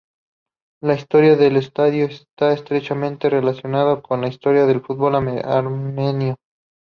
La historia del estadio está estrechamente relacionado con la historia del fútbol armenio.